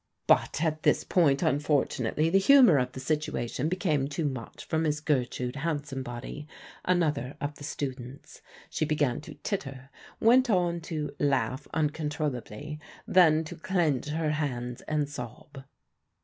But at this point, unfortunately, the humour of the situation became too much for Miss Gertrude Hansombody, another of the students. She began to titter, went on to laugh uncontrollably, then to clench her hands and sob.